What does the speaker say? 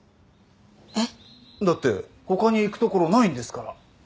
えっ？だって他に行く所ないんですから。